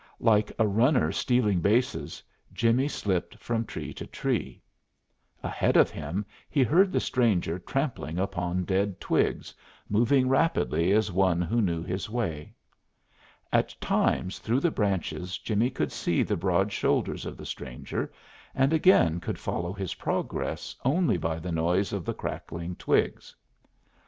Like a runner stealing bases, Jimmie slipped from tree to tree. Ahead of him he heard the stranger trampling upon dead twigs, moving rapidly as one who knew his way. At times through the branches Jimmie could see the broad shoulders of the stranger, and again could follow his progress only by the noise of the crackling twigs.